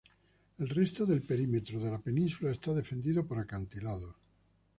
El resto del perímetro de la península está defendido por acantilados.